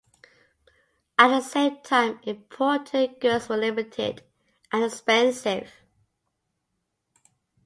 At the same time imported goods were limited and expensive.